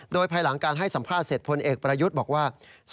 โดยภายหลังการให้สัมภาษณ์เสร็จพลเอกประยุทธ์บอกว่า